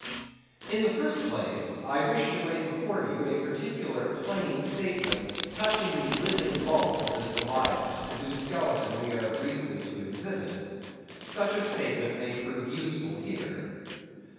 In the first place, I wish to lay before you a particular, plain statement, touching the living bulk of this leviathan, whose skeleton we are briefly to exhibit. Such a statement may prove useful here.